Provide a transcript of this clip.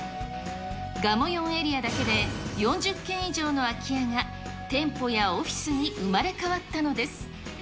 がもよんエリアだけで、４０軒以上の空き家が店舗やオフィスに生まれ変わったのです。